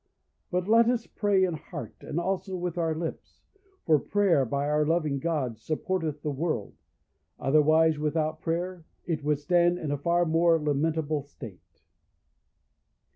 But let us pray in heart, and also with our lips; for prayer, by our loving God, supporteth the world; otherwise, without prayer, it would stand in a far more lamentable state.